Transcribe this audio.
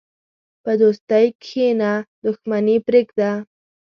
په دوستۍ کښېنه، دښمني پرېږده.